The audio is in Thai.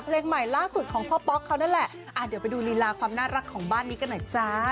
เพลงใหม่ล่าสุดของพ่อป๊อกเขานั่นแหละเดี๋ยวไปดูลีลาความน่ารักของบ้านนี้กันหน่อยจ้า